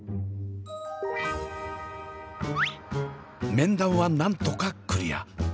面談はなんとかクリア。